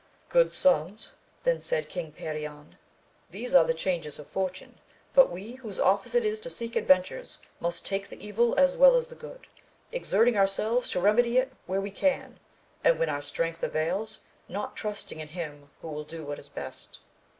Good sons, then said King Perion, these are the changes of fortune ! but we, whose office it is to seek adventures, must take the evil as well as the good, exerting ourselves to remedy it where we can, and when our strength avails not trusting in him who will do what is best.